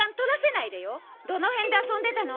どの辺で遊んでたの？